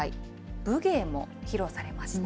武芸も披露されました。